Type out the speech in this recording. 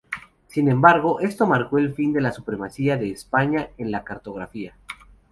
Sin embargo, esto marcó el fin de la supremacía de España en la cartografía.